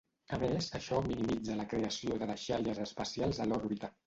A més, això minimitza la creació de deixalles espacials a l'òrbita.